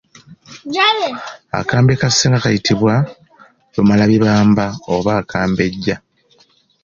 Akambe ka ssenga kayitibwa Lumalabibamba oba Akambejja.